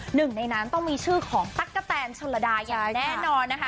หนึ่งในนั้นต้องมีชื่อของตั๊กกะแตนชนระดาอย่างแน่นอนนะคะ